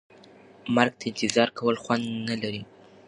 مرګ ته انتظار کول خوند نه لري.